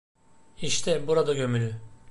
İşte burada gömülü.